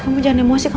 kamu jangan emosi